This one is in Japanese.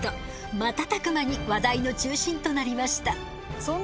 瞬く間に話題の中心となりました。